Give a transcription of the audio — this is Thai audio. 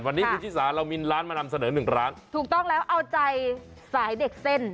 วันนี้คุณชิสาเรามีร้านมานำเสนอหนึ่งร้านถูกต้องแล้วเอาใจสายเด็กเส้น